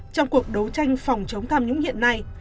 trong cuộc đấu tranh phòng chống tham nhũng hiện nay